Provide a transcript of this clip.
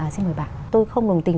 xin mời bà tôi không đồng tình